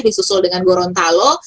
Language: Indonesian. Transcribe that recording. disusul dengan gorontalo